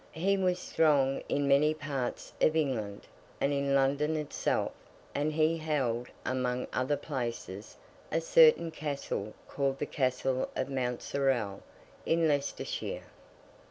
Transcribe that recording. He was strong in many parts of England, and in London itself; and he held, among other places, a certain Castle called the Castle of Mount Sorel, in Leicestershire.